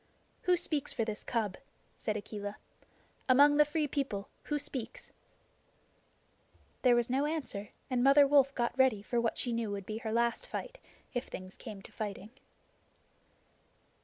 "Who speaks for this cub?" said Akela. "Among the Free People who speaks?" There was no answer and Mother Wolf got ready for what she knew would be her last fight, if things came to fighting.